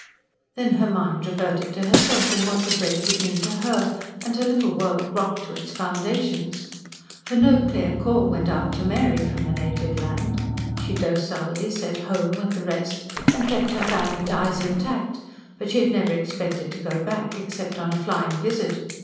Then her mind reverted to herself and to what the break would mean to her; and her little world rocked to its foundations. For no clear call went out to Mary from her native land. She docilely said "home" with the rest, and kept her family ties intact; but she had never expected to go back, except on a flying visit.